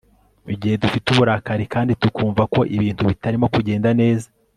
Igihe dufite uburakari kandi tukumva ko ibintu bitarimo kugenda neza